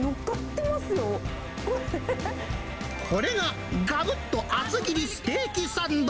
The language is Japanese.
これが、がぶっと厚切りステーキサンド！